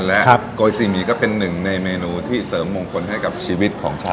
และโกยซีหมีก็เป็นหนึ่งในเมนูที่เสริมมงคลให้กับชีวิตของชาว